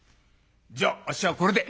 じゃあっしはこれで」。